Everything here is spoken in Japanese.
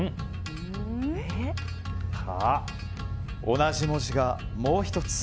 同じ文字がもう１つ。